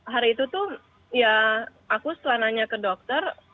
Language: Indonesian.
hari itu tuh ya aku setelah nanya ke dokter